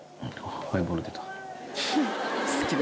ハイボール出た。